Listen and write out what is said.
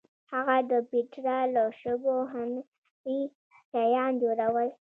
هغه د پېټرا له شګو هنري شیان جوړول.